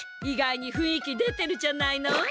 意外にふんいき出てるじゃないの。